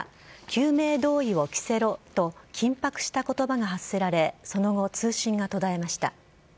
救命胴衣を着せろ！と緊迫した言葉が発せられその後、通信が途絶えました。